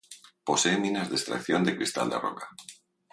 Posee minas de extracción de cristal de roca.